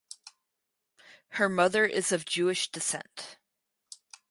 Her mother is of Jewish descent.